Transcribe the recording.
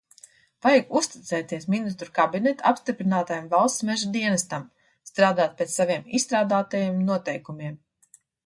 Vajag uzticēties Ministru kabineta apstiprinātajam Valsts meža dienestam, strādāt pēc saviem izstrādātajiem noteikumiem.